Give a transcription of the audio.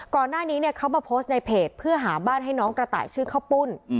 ก่อนหน้านี้เนี่ยเขามาโพสต์ในเพจเพื่อหาบ้านให้น้องกระต่ายชื่อข้าวปุ้น